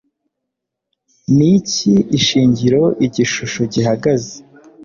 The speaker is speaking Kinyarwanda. Niki Ishingiro Igishusho gihagaze